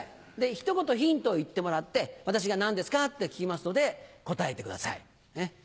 一言ヒントを言ってもらって私が「何ですか？」って聞きますので答えてください。